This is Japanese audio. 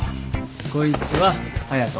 こいつは隼人。